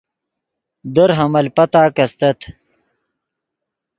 در حمل پتاک استت